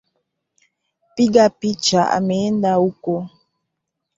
Mpiga picha ameenda huko.